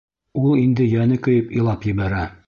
Ул инде йәне көйөп илап ебәрә.